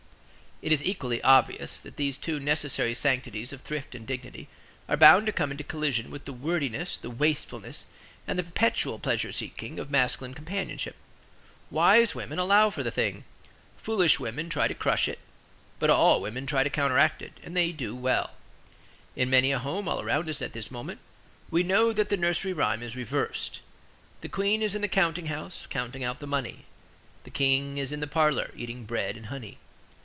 It is equally obvious that these two necessary sanctities of thrift and dignity are bound to come into collision with the wordiness, the wastefulness, and the perpetual pleasure seeking of masculine companionship. Wise women allow for the thing; foolish women try to crush it; but all women try to counteract it, and they do well. In many a home all round us at this moment, we know that the nursery rhyme is reversed. The queen is in the counting house, counting out the money. The king is in the parlor, eating bread and honey.